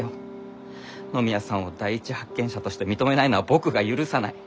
野宮さんを第一発見者として認めないのは僕が許さない。